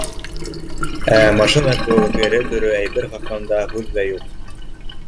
Ә машина кеүек эре-төрө әйбер хаҡында һүҙ ҙә юҡ.